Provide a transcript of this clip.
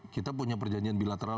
kita punya perjanjian bilateral